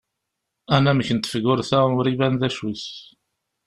Anamek n tefgurt-a ur iban d acu-t.